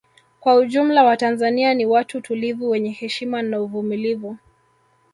Kwa ujumla watanzania ni watu tulivu wenye heshima na uvumulivu